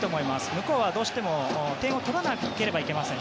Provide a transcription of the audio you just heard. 向こうはどうしても点を取らなければいけません。